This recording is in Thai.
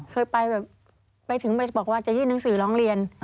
เคยไปแบบไปถึงไปบอกว่าจะยื่นหนังสือร้องเรียน